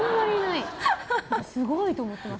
だから、すごいと思ってます。